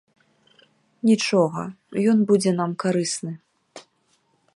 Нічога, ён будзе нам карысны.